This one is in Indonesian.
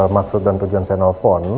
maksud dan tujuan saya no phone